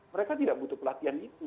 mereka tidak butuh pelatihan itu